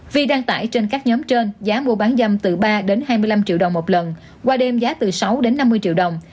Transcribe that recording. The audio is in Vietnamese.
vi đăng tải trên các nhóm trên giá mua bán dâm từ ba hai mươi năm triệu đồng một lần qua đêm giá từ sáu đến năm mươi triệu đồng